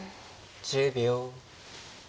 １０秒。